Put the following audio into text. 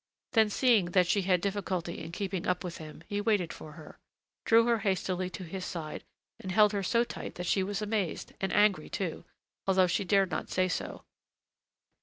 Then, seeing that she had difficulty in keeping up with him, he waited for her, drew her hastily to his side, and held her so tight that she was amazed and angry too, although she dared not say so.